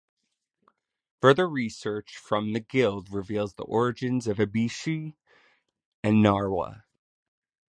Further research from the guild reveals the origins of Ibushi and Narwa.